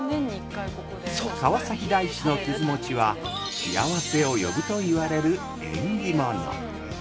川崎大師のくず餅は幸せを呼ぶといわれる縁起物。